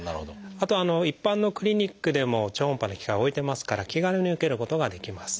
あと一般のクリニックでも超音波の機械置いてますから気軽に受けることができます。